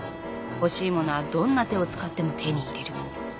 欲しいものはどんな手を使っても手に入れる。